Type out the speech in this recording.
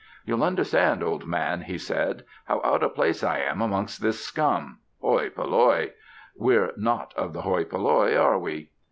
"You'll understand, old man," he said, "how out of place I am amongst this scum hoi polloi we're not of the hoi polloi, are we?"